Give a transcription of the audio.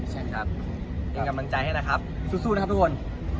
เตรียมกำลังใจให้นะครับสู้นะครับทุกคน